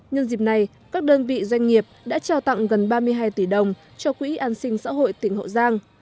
nhân dịp này các đơn vị doanh nghiệp đã trao tặng gần ba mươi hai tỷ đồng cho quỹ an sinh xã hội tỉnh hậu giang